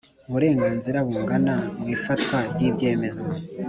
ubureganzira bungana mu ifatwa ry ibyemezo